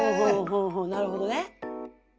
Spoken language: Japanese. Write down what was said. なるほどね。